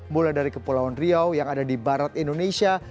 mulai dari kepulauan riau yang ada di barat indonesia